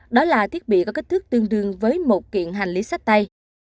đó là thiết bị có kích thước tương đương với một kiện hành lý sách tay